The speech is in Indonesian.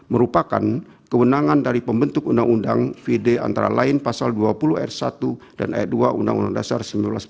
merupakan kewenangan dari pembentuk undang undang vd antara lain pasal dua puluh r satu dan ayat dua undang undang dasar seribu sembilan ratus empat puluh